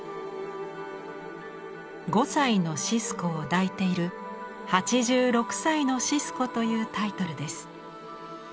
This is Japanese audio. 「５才のシスコを抱いている８６才のシスコ」というタイトルです。